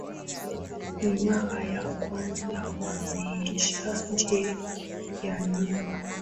Ni mara ya kwanza wameishi nje ya nyumba